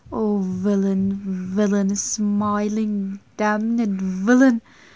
Oh Villaine, Villaine, smiling damned Villaine!